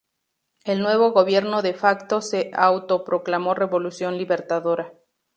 El nuevo gobierno "de facto" se autoproclamó "Revolución Libertadora".